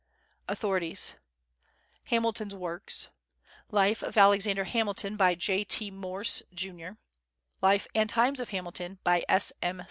AUTHORITIES. Hamilton's Works; Life of Alexander Hamilton, by J. T. Morse, Jr.; Life and Times of Hamilton, by S. M.